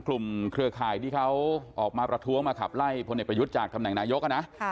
เครือข่ายที่เขาออกมาประท้วงมาขับไล่พลเอกประยุทธ์จากตำแหน่งนายกนะ